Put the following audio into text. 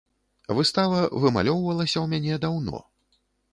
Выстава вымалёўвалася ў мяне даўно.